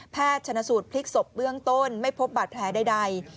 ชนะสูตรพลิกศพเบื้องต้นไม่พบบาดแผลใด